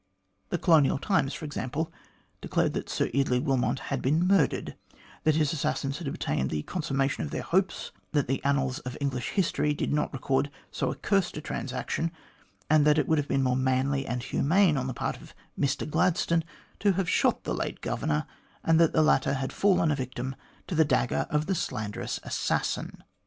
The Colonial Times, for example, declared that Sir Eardley Wilmot had been murdered, that his assassins had obtained the consummation of their hopes, that the annals of English history did not record so accursed a transaction, that it would have been more manly and humane on the part of Mr Gladstone to have shot the late Governor, and that the latter had fallen a victim to the dagger of the slanderous assassin.